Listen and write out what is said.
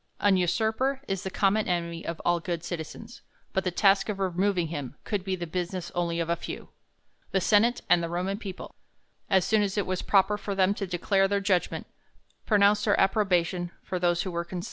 An usurper is the common enemy of all good citizens ; but tlie task of removing him could be the business only of a fevr. The senate and the Roman people, as soon as it was proper for them to declare their judgment, pronounced their approbation of those who were con cerned 144 THE COLUMBIAN ORATOR.